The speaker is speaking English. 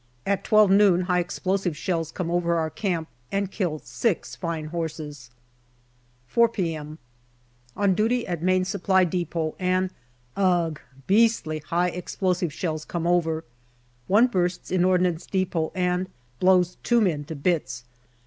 At twelve noon high explosive shells come over our camp and kill six fine horses. 4 p.m. On duty at Main Supply depot, and ugh ! beastly high explosive shells come over. One bursts in Ordnance depot and blows two men to bits.